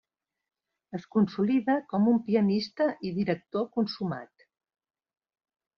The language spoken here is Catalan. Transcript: Es consolida com un pianista i director consumat.